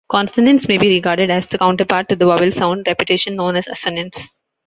Consonance may be regarded as the counterpart to the vowel-sound repetition known as assonance.